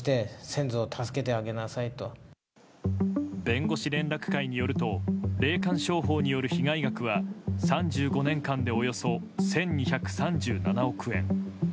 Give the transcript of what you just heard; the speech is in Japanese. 弁護士連絡会によると霊感商法による被害額は３５年間でおよそ１２３７億円。